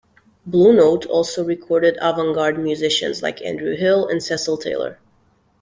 Blue Note also recorded avant-garde musicians like Andrew Hill and Cecil Taylor.